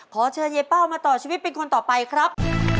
ขอเชิญยายเป้ามาต่อชีวิตเป็นคนต่อไปครับ